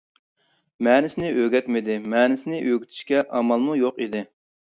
مەنىسىنى ئۆگەتمىدى، مەنىسىنى ئۆگىتىشكە ئامالمۇ يوق ئىدى.